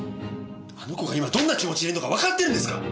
あの子が今どんな気持ちでいるのかわかってるんですか！？